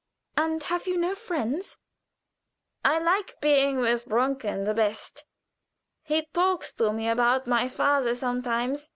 "And have you no friends?" "I like being with Brunken the best. He talks to me about my father sometimes.